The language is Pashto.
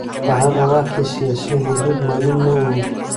په هغه وخت کې سیاسي حدود معلوم نه و.